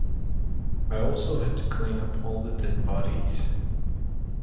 I also had to clean up all the dead bodies...